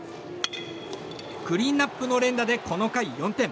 クリーンアップの連打でこの回４点。